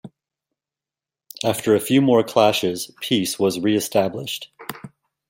After a few more clashes, peace was reestablished.